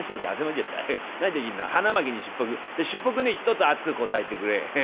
じゃあしっぽくね一つ熱くこさえてくれ。